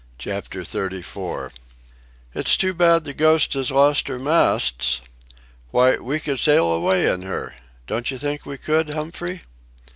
CHAPTER XXXIV "It's too bad the Ghost has lost her masts. Why we could sail away in her. Don't you think we could, Humphrey?"